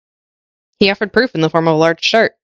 He offered proof in the form of a large chart.